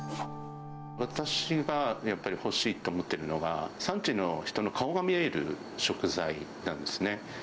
私がやっぱり欲しいと思ってるのが、産地の人の顔が見える食材なんですね。